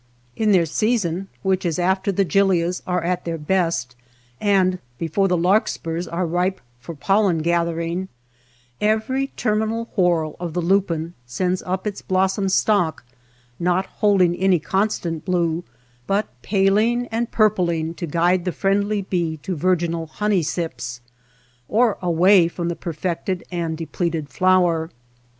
In their season, which is after the gilias are at their best, and before the larkspurs are ripe for pollen 147 THE MESA TRAIL gathering, every terminal whorl of the lupin sends up its blossom stalk, not hold ing any constant blue, but paling and purpling to guide the friendly bee to vir ginal honey sips, or away from the per fected and depleted flower.